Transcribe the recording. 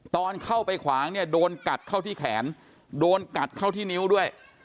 ตอนเข้าไปขวางเนี่ยโดนกัดเข้าที่แขนโดนกัดเข้าที่นิ้วด้วย